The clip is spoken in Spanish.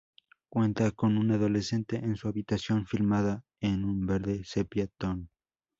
Cuenta con un adolescente en su habitación filmada en un verde sepia -tone.